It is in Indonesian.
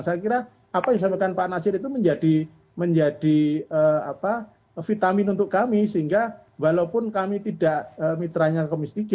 saya kira apa yang disampaikan pak nasir itu menjadi vitamin untuk kami sehingga walaupun kami tidak mitranya komisi tiga